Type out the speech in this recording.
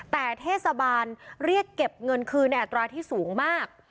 แต่เทศบาลเรียกเก็บเงินคืนในอัตราที่สูงมาก